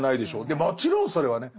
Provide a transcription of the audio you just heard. もちろんそれはね